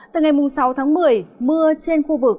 từ ngày sáu tháng một mươi mưa trên khu vực